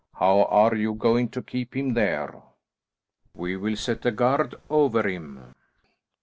How are you going to keep him there?" "We will set a guard over him."